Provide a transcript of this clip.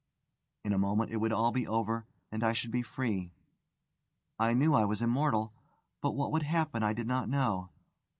In a moment it would all be over, and I should be free. I knew I was immortal, but what would happen I did not know.